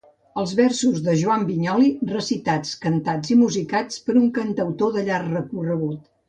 Els versos de Joan Vinyoli, recitats, cantats i musicats per un cantautor de llarg recorregut.